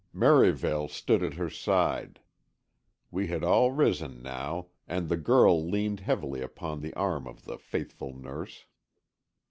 Merivale stood at her side; we had all risen now, and the girl leaned heavily upon the arm of the faithful nurse.